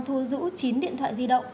thua giữ chín điện thoại di động